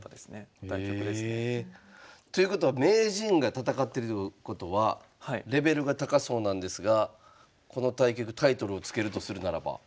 対局ですね。ということは名人が戦ってるってことはレベルが高そうなんですがこの対局タイトルを付けるとするならば？